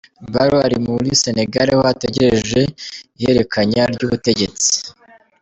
Barrow ari muri Senegal aho ategerereje ihererekanya ry’ubutegetsi.